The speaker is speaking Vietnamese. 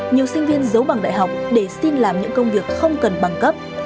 nhiều sinh viên giấu bằng đại học để xin làm những công việc không cần bằng cấp